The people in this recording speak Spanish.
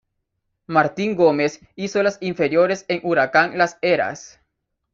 Martín Gómez hizo las inferiores en Huracán Las Heras.